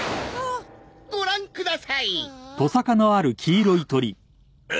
ご覧くださいえ？